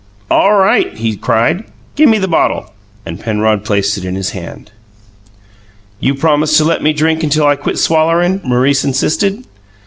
"All right!" he cried. "Gimme the bottle!" And Penrod placed it in his hand. "You promise to let me drink until I quit swallering?" Maurice insisted.